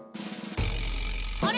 あれ？